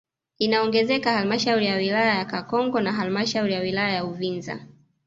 Inaongezeka halmashauri ya wilaya ya Kakonko na halmashauri ya wilaya ya Uvinza